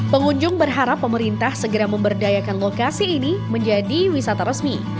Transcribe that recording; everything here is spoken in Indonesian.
pengunjung berharap pemerintah segera memberdayakan lokasi ini menjadi wisata resmi